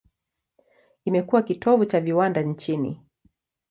Imekuwa kitovu cha viwanda nchini.